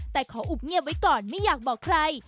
แต่ขออุบเงียบไว้ก่อนไม่อยากบอกใคร